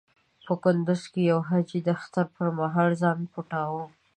په کندز کې يو حاجي د اختر پر مهال ځان پټاوه.